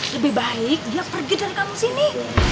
lebih baik dia pergi dari kampung sini